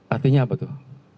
artinya apa tuh